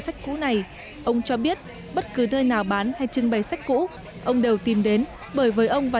sách cũ này ông cho biết bất cứ nơi nào bán hay trưng bày sách cũ ông đều tìm đến bởi với ông và